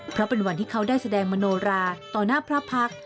เพราะเป็นวันที่เขาได้แสดงมโนราต่อหน้าพระพักษ์